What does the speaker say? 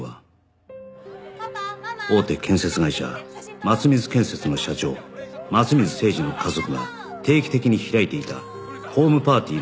大手建設会社松水建設の社長松水誠二の家族が定期的に開いていたホームパーティーの最中に起き